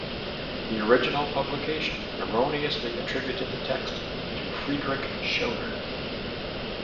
The original publication erroneously attributed the text to Friedrich Schiller.